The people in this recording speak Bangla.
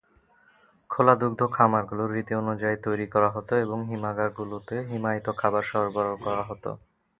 খোলা দুগ্ধখামারগুলো রীতি অনুযায়ী তৈরি করা হতো এবং হিমাগারগুলোতে হিমায়িত খাবার সরবরাহ করা হতো।